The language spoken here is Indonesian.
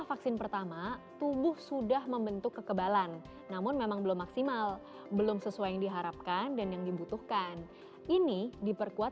vaksin tahap pertama yang sudah saya terima